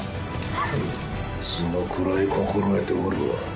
ふんそのくらい心得ておるわ。